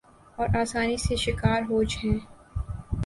اور آسانی سے شکار ہو ج ہیں